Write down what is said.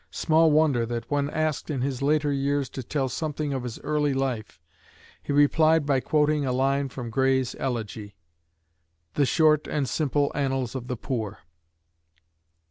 Small wonder that when asked in his later years to tell something of his early life, he replied by quoting a line from Gray's Elegy: "The short and simple annals of the poor."